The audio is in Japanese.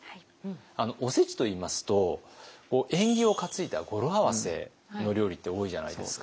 おせちといいますと縁起を担いだ語呂合わせの料理って多いじゃないですか。